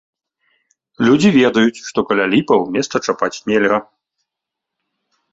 Людзі ведаюць, што каля ліпаў месца чапаць нельга.